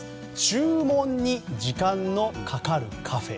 注文に時間のかかるカフェ。